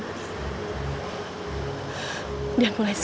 gak ada lagi yang perlu dijelasin